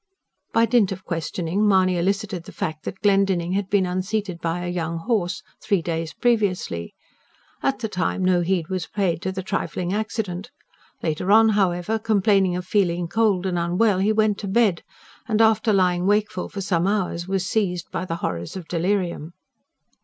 By dint of questioning Mahony elicited the fact that Glendinning had been unseated by a young horse, three days previously. At the time, no heed was paid to the trifling accident. Later on, however, complaining of feeling cold and unwell, he went to bed, and after lying wakeful for some hours was seized by the horrors of delirium.